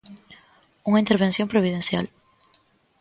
Unha intervención providencial.